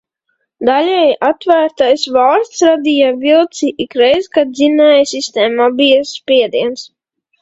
Daļēji atvērtais vārsts radīja vilci ikreiz, kad dzinējsistēmā bija spiediens.